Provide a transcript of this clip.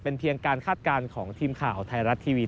เพียงการคาดการณ์ของทีมข่าวไทยรัฐทีวี